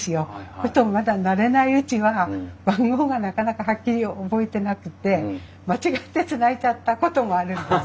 そうするとまだ慣れないうちは番号がなかなかはっきり覚えてなくて間違ってつないじゃったこともあるんです。